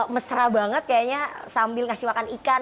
mesra banget kayaknya sambil ngasih makan ikan